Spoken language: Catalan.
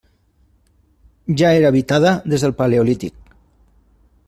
Ja era habitada des del paleolític.